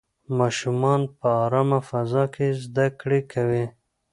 ماشومان په ارامه فضا کې زده کړې کوي.